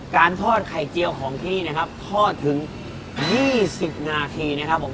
การทอดไข่เจียวของที่นี่นะครับทอดถึง๒๐นาทีนะครับผม